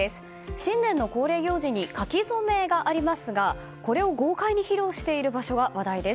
新年の恒例行事に書き初めがありますがこれを豪快に披露している場所が話題です。